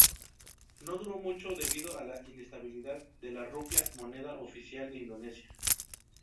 No duró mucho debido a la inestabilidad de la Rupia, moneda oficial de Indonesia.